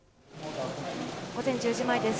午前１０時前です